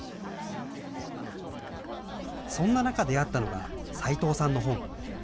そんな中出会ったのが斎藤さんの本。